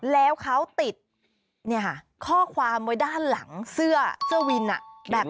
แล้วเขาติดเนี่ยค่ะข้อความไว้ด้านหลังเสื้อเจ้าวินอะแบบนี้